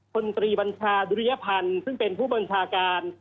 ตรีบัญชาดุริยพันธ์ซึ่งเป็นผู้บัญชาการ